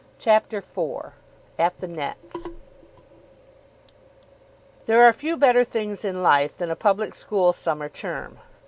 CHAPTER IV AT THE NETS There are few better things in life than a public school summer term.